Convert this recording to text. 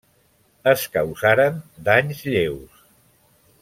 Es causaren danys lleus.